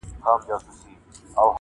ګراني افغاني زما خوږې خورکۍ-